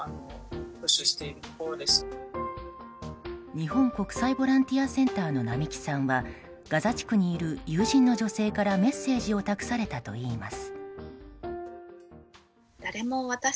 日本国際ボランティアセンターの並木さんはガザ地区にいる友人の女性からメッセージを託されたといいます。